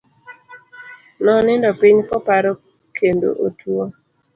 Nonindo piny koparo kendo otuo.